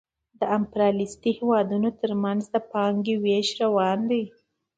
د امپریالیستي هېوادونو ترمنځ د پانګې وېش روان دی